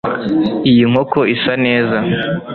iyo nkoko isa neza